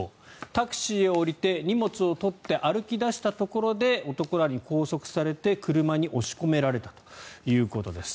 タクシーを降りて荷物を取って歩き出したところで男らに拘束されて車に押し込められたということです。